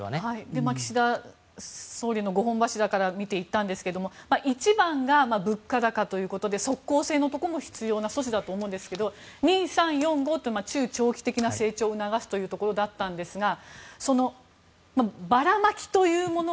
岸田総理の５本柱から見ていったんですが１番が物価高ということで即効性のところも必要な措置だと思うんですが２、３、４、５と中長期的な成長を促すというものだったんですがばらまきというもの